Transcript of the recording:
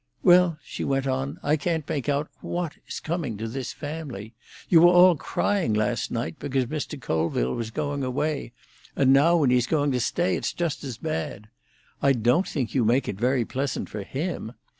"Well," she went on, "I can't make out what is coming to this family. You were all crying last night because Mr. Colville was going away, and now, when he's going to stay, it's just as bad. I don't think you make it very pleasant for him.